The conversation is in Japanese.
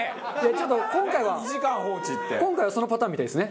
今回はそのパターンみたいですね。